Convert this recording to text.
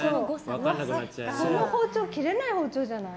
この包丁切れない包丁じゃない？